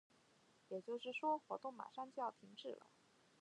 也就是说，活动马上就要停止了。